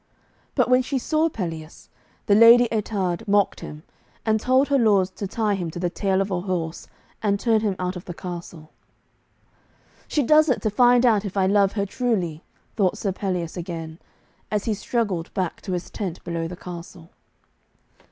But when she saw Pelleas, the Lady Ettarde mocked him, and told her lords to tie him to the tail of a horse and turn him out of the castle. 'She does it to find out if I love her truly,' thought Sir Pelleas again, as he struggled back to his tent below the castle.